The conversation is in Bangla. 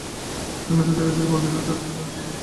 সন্ন্যাসী ধীরে ধীরে মন্দিরের ভিতর হইতে বাহির হইয়া আসিলেন।